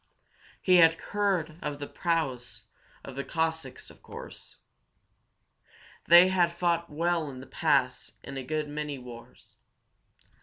He had heard of the prowess of the Cossacks, of course. They had fought well in the past in a good many wars.